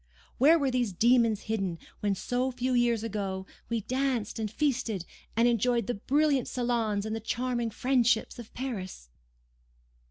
Where were these demons hidden when, so few years ago, we danced and feasted, and enjoyed the brilliant salons and the charming friendships of Paris?